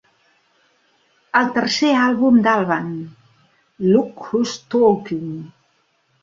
El tercer àlbum d'Alban, "Look Who's Talking!"